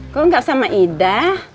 kok gak sama ida